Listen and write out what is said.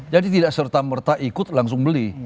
jadi tidak serta merta ikut langsung beli